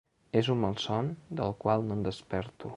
És un malson, del qual no en desperto.